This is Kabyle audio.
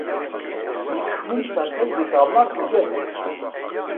Nekk kmumseɣ kan di teɣmert ugadeɣ.